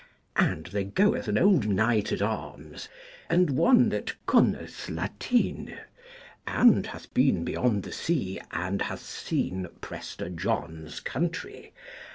And there goeth an old knight at arms, and one that connes Latyn, and hath been beyond the sea, and hath seen Prester John's country.